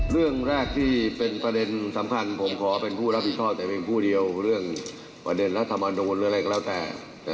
เรื่องแรกที่เป็นประเด็นสำคัญผมขอเป็นผู้รับผิดชอบแต่เพียงผู้เดียวเรื่องประเด็นรัฐมนูลหรืออะไรก็แล้วแต่